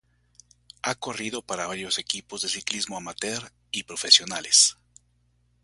Ha corrido para varios equipos de ciclismo amateur y profesionales.